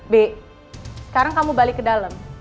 b sekarang kamu balik ke dalam